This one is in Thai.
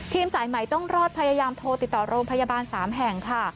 สายใหม่ต้องรอดพยายามโทรติดต่อโรงพยาบาล๓แห่งค่ะ